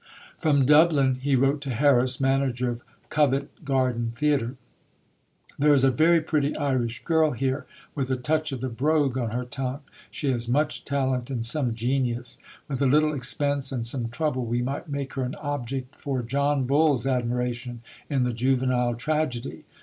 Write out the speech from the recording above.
From Dublin, he wrote to Harris, manager of Covent Garden Theatre: "There is a very pretty Irish girl here, with a touch of the brogue on her tongue; she has much talent and some genius. With a little expense and some trouble we might make her an object for John Bull's admiration in the juvenile tragedy.